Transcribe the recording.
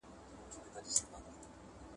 • بزه په خپلو ښکرو نه درنېږي.